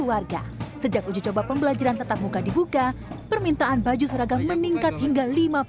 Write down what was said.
warga sejak uji coba pembelajaran tetap muka dibuka permintaan baju seragam meningkat hingga